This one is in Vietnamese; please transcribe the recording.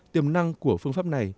tiềm năng của phương pháp này